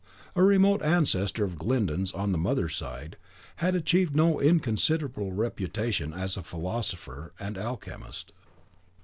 A remote ancestor of Glyndon's on the mother's side, had achieved no inconsiderable reputation as a philosopher and alchemist.